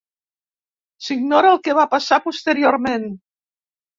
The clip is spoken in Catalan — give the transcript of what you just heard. S'ignora el que va passar posteriorment.